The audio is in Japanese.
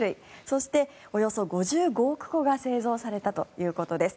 そして、およそ５５億個が製造されたということです。